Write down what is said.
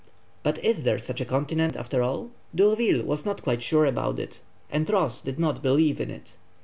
But is there such a continent after all? D'Urville was not quite sure about it, and Ross did not believe in it.